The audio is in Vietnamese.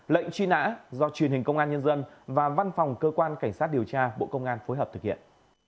lệnh truy nã do truyền hình công an nhân dân và văn phòng cơ quan cảnh sát điều tra bộ công an phối hợp thực hiện